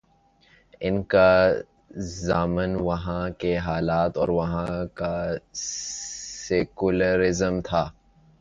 ان کا ضامن وہاں کے حالات اور وہاں کا سیکولر ازم تھا۔